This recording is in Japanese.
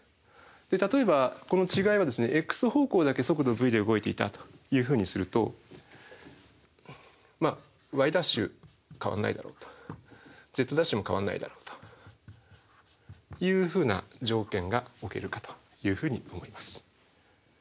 例えばこの違いはｘ方向だけ速度ｖで動いていたというふうにするとｙ′変わんないだろうとｚ′も変わんないだろうというふうな条件が置けるかというふうに思います。